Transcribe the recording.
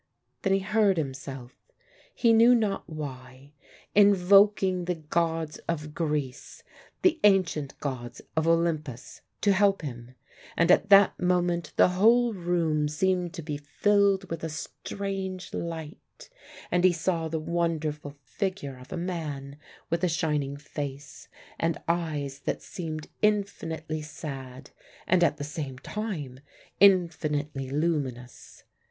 Then he heard himself, he knew not why, invoking the gods of Greece, the ancient gods of Olympus, to help him. And at that moment the whole room seemed to be filled with a strange light, and he saw the wonderful figure of a man with a shining face and eyes that seemed infinitely sad and at the same time infinitely luminous.